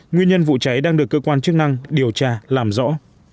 nguyên nhân vụ cháy đang được cơ quan chức năng điều tra làm rõ